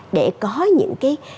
để có những cái